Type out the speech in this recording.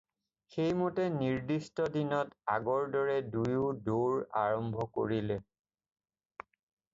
সেইমতে নিৰ্দিষ্ট দিনত আগৰ দৰে দুয়ো দৌৰ আৰম্ভ কৰিলে।